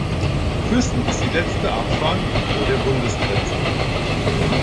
Füssen ist die letzte Abfahrt vor der Bundesgrenze.